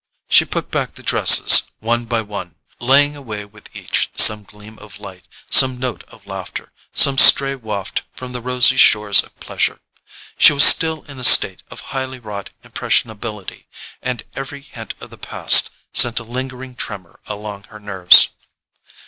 She put back the dresses one by one, laying away with each some gleam of light, some note of laughter, some stray waft from the rosy shores of pleasure. She was still in a state of highly wrought impressionability, and every hint of the past sent a lingering tremor along her nerves.